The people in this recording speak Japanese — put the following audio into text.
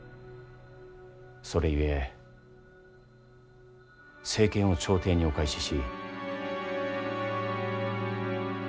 それゆえ政権を朝廷にお返しし。